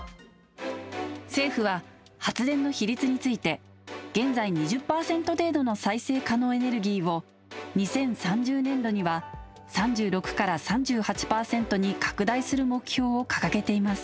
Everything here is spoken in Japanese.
政府は発電の比率について現在２０％程度の再生可能エネルギーを２０３０年度には３６から３８％に拡大する目標を掲げています